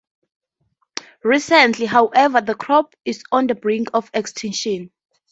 Recently however, the crop is on the brink of extinction.